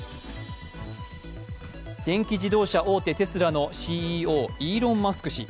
電気自動車大手テスラのＣＥＯイーロン・マスク氏。